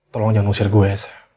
tolong jangan usir gue